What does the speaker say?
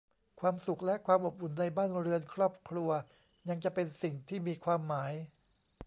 ความสุขและความอบอุ่นในบ้านเรือนครอบครัวยังจะเป็นสิ่งที่มีความหมาย